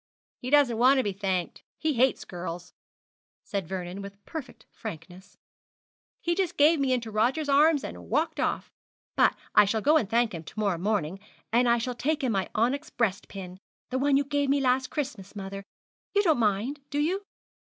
'He doesn't want to be thanked. He hates girls,' said Vernon, with perfect frankness. 'He just gave me into Rogers' arms and walked off. But I shall go and thank him to morrow morning, and I shall take him my onyx breast pin, the one you gave me last Christmas, mother. You don't mind, do you?'